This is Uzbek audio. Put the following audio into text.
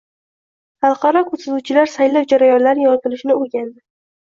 Xalqaro kuzatuvchilar saylov jarayonlari yoritilishini o‘rgandi